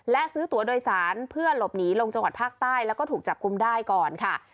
และซื้อตัวโดยสารเพื่อหลบหนีลงจังหวัดภาคใต้แล้วก็ถูกจับกุมได้ก่อนค่ะ